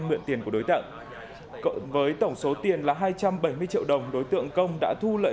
mượn tiền của đối tượng cộng với tổng số tiền là hai trăm bảy mươi triệu đồng đối tượng công đã thu lợi